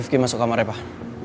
rifki masuk kamar ya pak